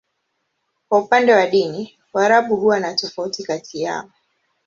Kwa upande wa dini, Waarabu huwa na tofauti kati yao.